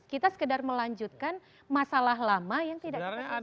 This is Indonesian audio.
kita sekedar melanjutkan masalah lama yang tidak kita lakukan